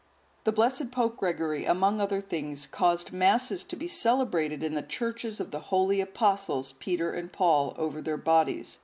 The blessed Pope Gregory, among other things, caused Masses to be celebrated in the churches of the holy Apostles, Peter and Paul, over their bodies.